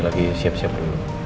lagi siap siap dulu